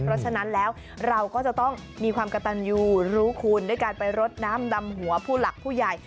เพราะฉะนั้นแล้วเราก็จะต้องมีความกระตันยูรู้คุณด้วยการไปรดน้ำดำหัวผู้หลักผู้ใหญ่